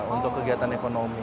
untuk kegiatan ekonomi